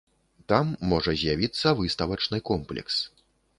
Там можа з'явіцца выставачны комплекс.